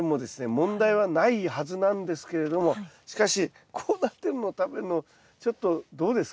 問題はないはずなんですけれどもしかしこうなってるの食べるのちょっとどうですか？